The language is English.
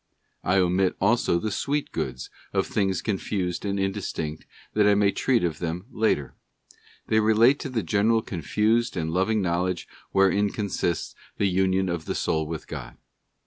I omit also the sweet goods of things confused and indistinct that I may treat of them later; they relate to the general confused and loving knowledge wherein consists the Union of the soul with God.